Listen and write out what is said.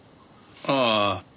ああ。